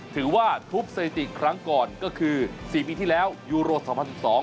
ถือว่าทุบสถิติครั้งก่อนก็คือสี่ปีที่แล้วยูโรสองพันสิบสอง